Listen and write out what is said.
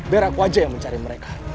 bella aku aja yang mencari mereka